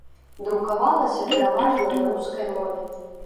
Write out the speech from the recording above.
Друкавалася пераважна на рускай мове.